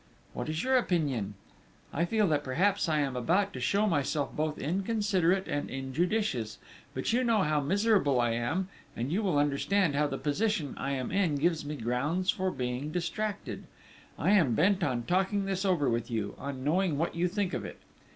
_ What is your opinion? _I feel that perhaps I am about to show myself both inconsiderate and injudicious, but you know how miserable I am, and you will understand how the position I am in gives me grounds for being distracted. I am bent on talking this over with you, on knowing what you think of it.